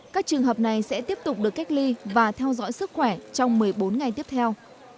các trường hợp này sẽ tiếp tục được cách ly và theo dõi sức khỏe trong một mươi bốn ngày tiếp theo